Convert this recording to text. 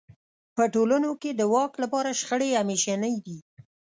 په ټولنو کې د واک لپاره شخړې همېشنۍ دي.